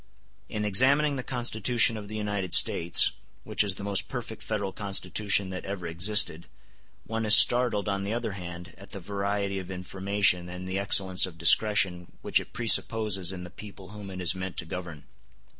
In examining the Constitution of the United States, which is the most perfect federal constitution that ever existed, one is startled, on the other hand, at the variety of information and the excellence of discretion which it presupposes in the people whom it is meant to govern.